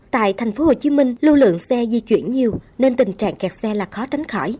tại tp hcm lưu lượng xe di chuyển nhiều nên tình trạng kẹt xe là khó tránh khỏi